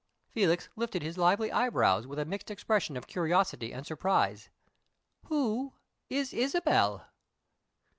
Felix lifted his lively eyebrows with a mixed expression of curiosity and surprise. "Who is Isabel?"